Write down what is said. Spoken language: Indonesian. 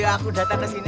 aku datang ke sini